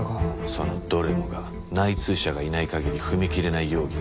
そのどれもが内通者がいない限り踏み切れない容疑だった。